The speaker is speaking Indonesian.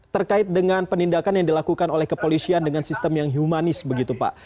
terkait dengan penindakan yang dilakukan oleh kepolisian dengan sistem yang humanis begitu pak